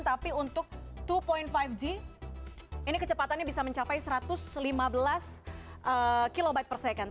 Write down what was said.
tapi untuk dua lima g ini kecepatannya bisa mencapai satu ratus lima belas kb per second